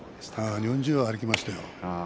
日本中、歩きましたよ。